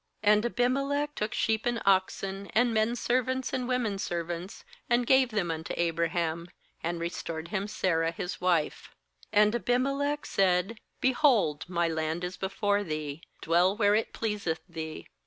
14And Abimelech took sheep and oxen, and men servants and women servants, and gave them unto Abraham, and restored him Sarah his wife. 15And Abimelech said: 'Behold, my land is before thee: dwell where it pleaseth thee.'